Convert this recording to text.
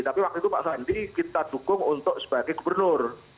tapi waktu itu pak sandi kita dukung untuk sebagai gubernur